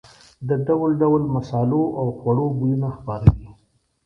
د ډول ډول مسالو او خوړو بویونه خپاره دي.